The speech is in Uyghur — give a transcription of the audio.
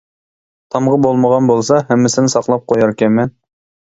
تامغا بولمىغان بولسا ھەممىسىنى ساقلاپ قوياركەنمەن.